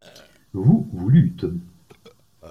Vous, vous lûtes.